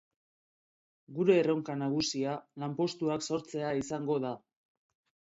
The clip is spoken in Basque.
Gure erronka nagusia lanpostuak sortzea izango da.